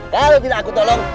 kalau tidak aku tolong